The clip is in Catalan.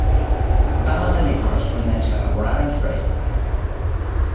Va mantenir correspondència regular amb Freud.